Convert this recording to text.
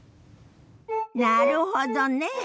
なるほどね。